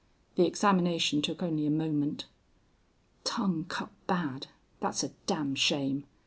The examination took only a moment. "Tongue cut bad. Thet's a damn shame.